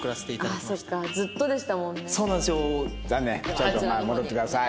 ちょっと戻ってください。